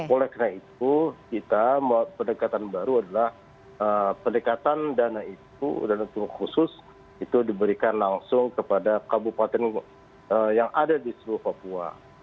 oleh karena itu kita pendekatan baru adalah pendekatan dana itu dana khusus itu diberikan langsung kepada kabupaten yang ada di seluruh papua